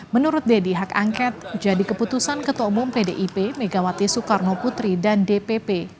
menurut deddy hak angket jadi keputusan ketua umum pdip megawati soekarno putri dan dpp